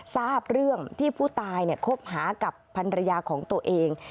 ทราบเรื่องที่ผู้ตายคบหากับพันรยาของตัวเอง